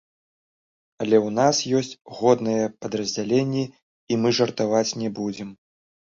Але ў нас ёсць годныя падраздзяленні, і мы жартаваць не будзем.